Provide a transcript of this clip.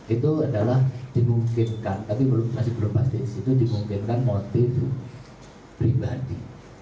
itu adalah dimungkinkan tapi masih belum pasti itu dimungkinkan motif pribadi